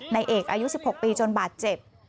ในเอกอายุ๑๖ปีจนบาดเจ็บ